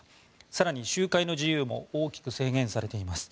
更に集会の自由も大きく制限されています。